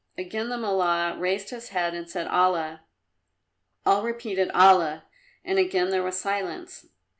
Again the Mullah raised his head and said "Allah!" All repeated "Allah!" and again there was silence.